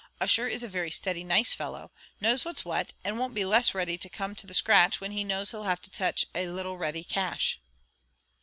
Ussher is a very steady nice fellow, knows what's what, and won't be less ready to come to the scratch when he knows he'll have to touch a little ready cash."